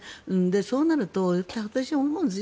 そうなると私思うんです。